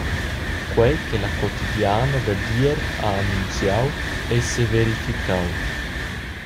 Quei che La Quotidiana dad ier ha annunziau, ei severificau.